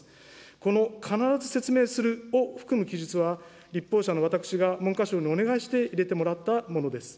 この必ず説明するを含む記述は、立法者の私が文科省にお願いして入れてもらったものです。